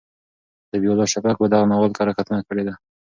ذبیح الله شفق په دغه ناول کره کتنه کړې ده.